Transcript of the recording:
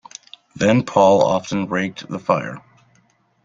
Then Paul often raked the fire.